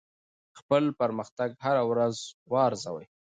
خپل پرمختګ هره ورځ وارزوئ.